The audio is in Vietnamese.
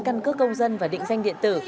căn cước công dân và định danh điện tử